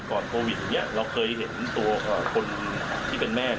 ก่อนโปรวิทย์อย่างนี้เราเคยเห็นตัวคนที่เป็นแม่